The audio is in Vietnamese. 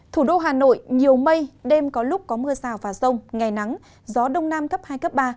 thủ đô hà nội nhiều mây đêm có lúc có mưa rào và rông ngày nắng gió đông nam cấp hai cấp ba